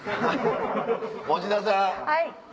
持田さん！